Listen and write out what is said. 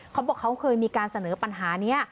เขาบอกเขาเคยมีการเสนอปัญหานี้